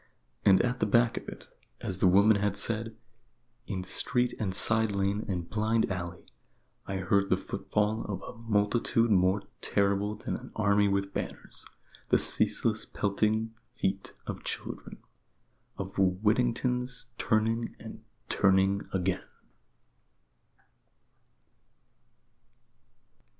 And at the back of it, as the woman had said, in street and side lane and blind alley, I heard the footfall of a multitude more terrible than an army with banners, the ceaseless pelting feet of children of Whittingtons turning and turning again.